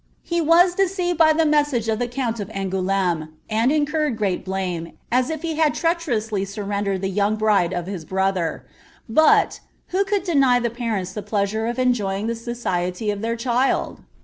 He waa deceived ' by ilie message uf the cuuni of Angoulfme, and incurred great blame, as if he had trsacbcrotuly tut rendered the young bride o^ his brother; but, vbo could deny dtf parents the pleasure of enjoying the society of their child